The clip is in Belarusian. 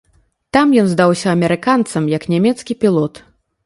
Там ён здаўся амерыканцам як нямецкі пілот.